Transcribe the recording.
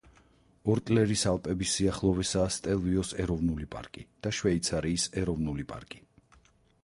ორტლერის ალპების სიახლოვესაა სტელვიოს ეროვნული პარკი და შვეიცარიის ეროვნული პარკი.